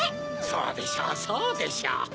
そうでしょうそうでしょう！